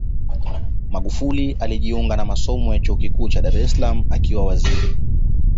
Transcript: magufuli alijiunga na masomo chuo kikuu dar es salaam akiwa waziri